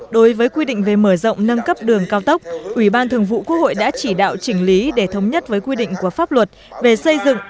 đối với quy định về mở rộng nâng cấp đường cao tốc ủy ban thường vụ quốc hội đã chỉ đạo chỉnh lý để thống nhất với quy định của pháp luật về xây dựng